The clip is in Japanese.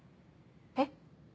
えっ？